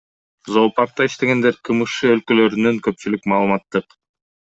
Зоопаркта иштегендер, КМШ өлкөлөрүнүн көпчүлүк маалыматтык